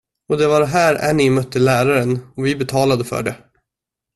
Och det var här Annie mötte läraren, och vi betalade för det.